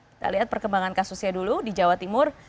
kita lihat perkembangan kasusnya dulu di jawa timur